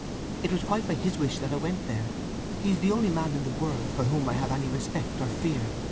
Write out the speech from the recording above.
It was quite by his wish that I went there. He is the only man in the world for whom I have any respect or fear.